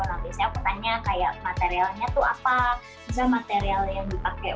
nah biasanya aku tanya kayak materialnya tuh apa bisa material yang dipakai untuk